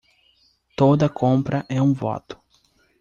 Toda compra é um voto.